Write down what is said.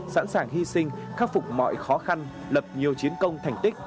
sẵn sàng hy sinh khắc phục mọi khó khăn lập nhiều chiến công thành tích